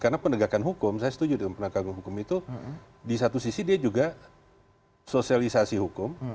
karena pendekatan hukum saya setuju pendekatan hukum itu di satu sisi dia juga sosialisasi hukum